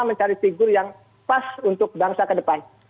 mencari figur yang pas untuk bangsa ke depan